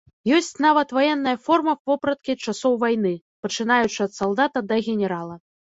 Ёсць нават ваенная форма вопраткі часоў вайны, пачынаючы ад салдата да генерала.